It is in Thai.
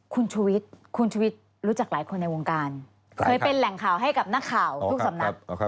คุณชูวิทย์คุณชุวิตรู้จักหลายคนในวงการเคยเป็นแหล่งข่าวให้กับนักข่าวทุกสำนัก